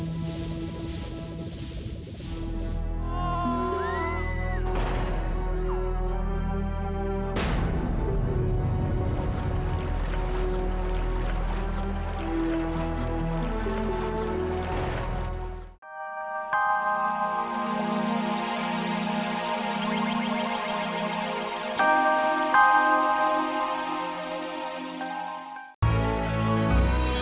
sampai jumpa lagi